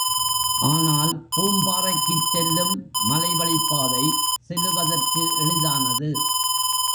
ஆனால் பூம்பாறைக்குச் செல்லும் மலைவழிப்பாதை செல்லுவதற்கு எளிதானது.